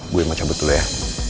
gue mau cabut dulu ya